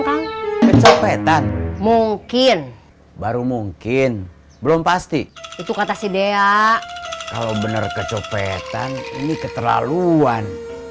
kan kecopetan mungkin baru mungkin belum pasti itu kata si dea kalau bener kecopetan ini keterlaluan